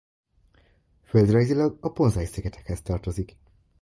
Földrajzilag a Ponzai-szigetekhez tartozik.